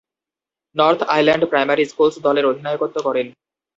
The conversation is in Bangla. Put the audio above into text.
নর্থ আইল্যান্ড প্রাইমারি স্কুলস দলের অধিনায়কত্ব করেন।